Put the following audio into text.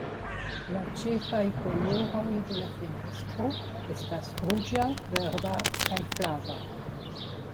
La ĉefaj koloroj de la fenestro estas ruĝa, verda kaj flava.